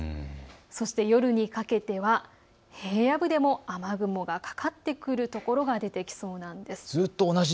そして夜にかけては平野部でも雨雲がかかってくるところが出てきそうなんです。